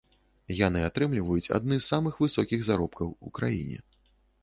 Яны атрымліваюць адны з самых высокіх заробкаў у краіне.